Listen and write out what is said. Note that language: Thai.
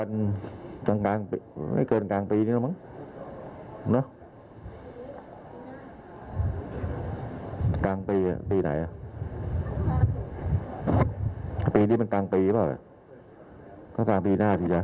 แน่นอนแหละก็ประมาณกลางปี